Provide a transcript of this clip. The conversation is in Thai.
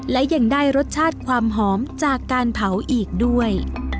และยังได้รสชาติความหอมจากการเผาอีกด้วย